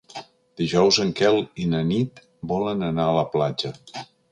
Dijous en Quel i na Nit volen anar a la platja.